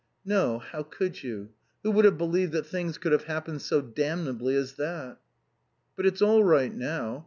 "No. How could you? Who would have believed that things could have happened so damnably as that?" "But it's all right now.